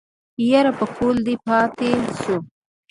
يره پکول دې پاتې شو.